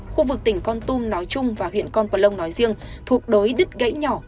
khu vực tỉnh con tum nói chung và huyện con plông nói riêng thuộc đối đứt gãy nhỏ